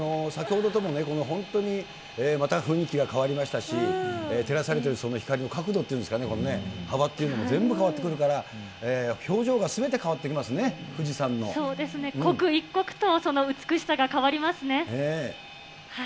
先ほどとも、本当にまた雰囲気が変わりましたし、照らされてるその光の角度っていうんですかね、幅というのも全部変わってくるから、表情がすべて変わってきますそうですね、刻一刻とその美しさが変わりますね。